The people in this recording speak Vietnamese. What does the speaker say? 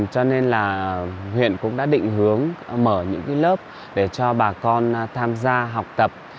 cho nên là huyện cũng đã định hướng mở những lớp để cho bà con tham gia học tập